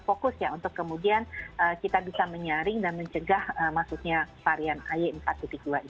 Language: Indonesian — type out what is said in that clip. oke tentunya kita harapkan tidak ada temuan varian ay empat dua ini